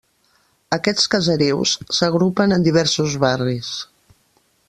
Aquests caserius s'agrupen en diversos barris.